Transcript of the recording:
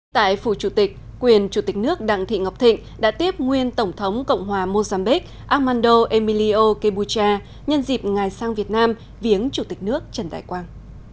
tại phủ chủ tịch quyền chủ tịch nước đặng thị ngọc thịnh đã tiếp nguyên tổng thống cộng hòa mozambique amando emillio kebucha nhân dịp ngài sang việt nam viếng chủ tịch nước trần đại quang